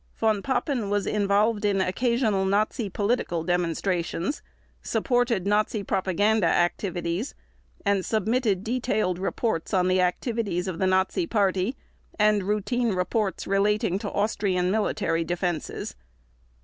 Von Papen was involved in occasional Nazi political demonstrations, supported Nazi propaganda activities and submitted detailed reports on the activities of the Nazi Party, and routine reports relating to Austrian military defenses.